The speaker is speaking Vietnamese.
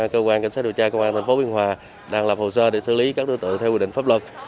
cơ quan cảnh sát điều tra cơ quan thành phố bình hòa đang lập hồ sơ để xử lý các đối tượng theo quy định pháp luật